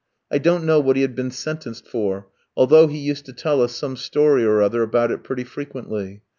I don't know what he had been sentenced for, although he used to tell us some story or other about it pretty frequently.